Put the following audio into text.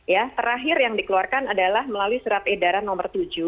ya terakhir yang dikeluarkan adalah melalui surat edaran nomor tujuh